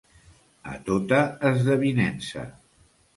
A tota esdevinença.